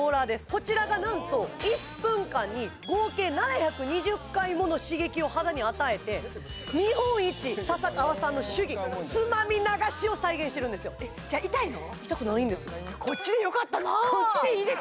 こちらがなんとを肌に与えて日本一笹川さんの手技つまみ流しを再現してるんですよじゃあ痛いの？